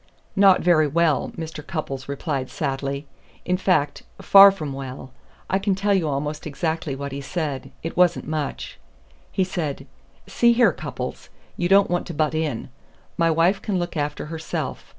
"Not very well," Mr. Cupples replied sadly. "In fact, far from well. I can tell you almost exactly what he said it wasn't much. He said, 'See here, Cupples, you don't want to butt in. My wife can look after herself.